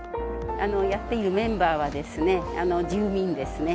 やっているメンバーは住民ですね。